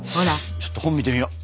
ちょっと本見てみよう。